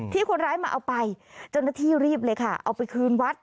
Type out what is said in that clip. ที่คนร้ายมาเอาไปเจ้าหน้าที่รีบเลยค่ะเอาไปคืนวัด